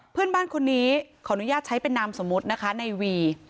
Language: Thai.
เพื่อนบ้านคนนี้ขออนุญาตใช้เป็นนามสมมุตินะคะในวี